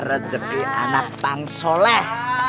rezeki anak bang soleh